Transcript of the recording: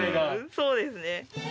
そうですね。